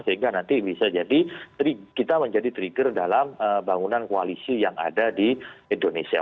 sehingga nanti bisa jadi kita menjadi trigger dalam bangunan koalisi yang ada di indonesia